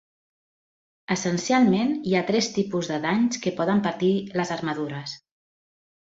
Essencialment, hi ha tres tipus de danys que poden patir les armadures.